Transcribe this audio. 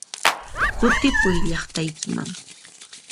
Kutipuy llaqtaykiman!